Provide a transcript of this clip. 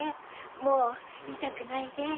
もう痛くないで。